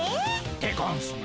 でゴンスな。